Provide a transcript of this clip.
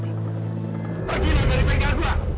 pergilah dari bengkel gua